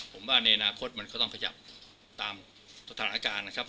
ผมว่าในอนาคตมันก็ต้องขยับตามสถานการณ์นะครับ